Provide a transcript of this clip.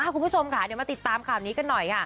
คุณผู้ชมค่ะเดี๋ยวมาติดตามข่าวนี้กันหน่อยค่ะ